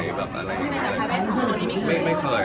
ใช่ไหมแต่ไฟเวสก็ไม่เคย